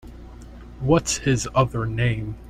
What’s his other name?